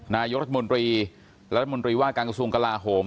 นายกรัฐมนตรีและรัฐมนตรีว่าการกระทรวงกลาโหม